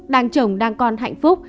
đang chồng đang còn hạnh phúc